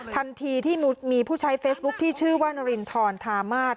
ทันทีที่มีผู้ใช้เฟซบุ๊คที่ชื่อว่านารินทรธามาศ